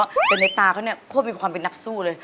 แต่ในตาเขาเนี่ยโคตรมีความเป็นนักสู้เลย